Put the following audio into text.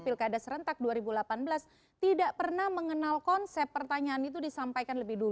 pilkada serentak dua ribu delapan belas tidak pernah mengenal konsep pertanyaan itu disampaikan lebih dulu